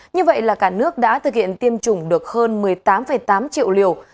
như vậy là cả nước đã thực hiện tiêm chủng được hơn một mươi tám tám triệu liều